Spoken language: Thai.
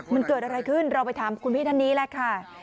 มันเกิดอะไรขึ้นเราไปถามคุณพี่ท่านนี้แหละค่ะ